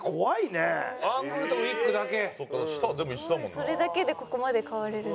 それだけでここまで変われるの。